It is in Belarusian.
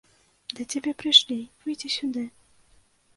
Да цябе прыйшлі, выйдзі сюды!